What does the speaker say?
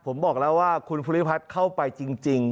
ผมบอกแล้วว่าคุณภูริพัฒน์เข้าไปจริง